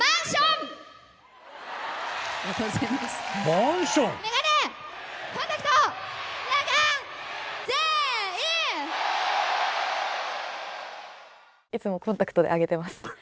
マンション？いつもコンタクトで上げてます。